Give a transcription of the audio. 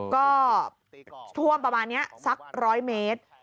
ก็ท่วมประมาณนี้สัก๑๐๐เมตร